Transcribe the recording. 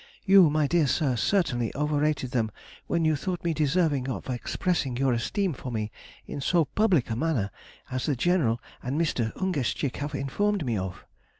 You, my dear sir, certainly overrated them when you thought me deserving of expressing your esteem for me in so public a manner as the General and Mr. Ungeschick have informed me of.